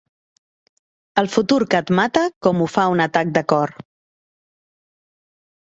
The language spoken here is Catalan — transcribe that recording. El futur que et mata com ho fa un atac de cor.